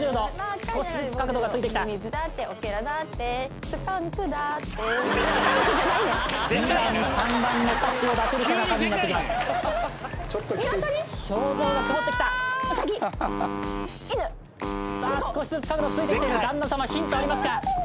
少しずつ角度ついてきている旦那様ヒントありますか？